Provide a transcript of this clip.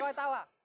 mày gọi tao à